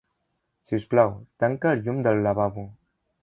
Si us plau, tanca el llum del lavabo.